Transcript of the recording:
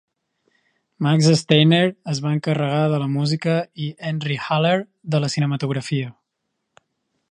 Max Steiner es va encarregar de la música i Ernie Haller de la cinematografia.